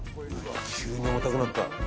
急に重たくなった。